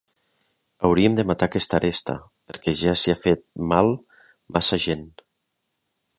Hauríem de matar aquesta aresta, perquè ja s'hi ha fet mal massa gent.